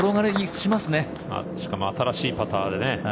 しかも新しいパターでね。